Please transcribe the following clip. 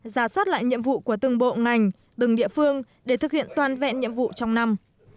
giả soát lại nhiệm vụ của từng bộ ngành từng địa phương để thực hiện toàn vẹn nhiệm vụ trong năm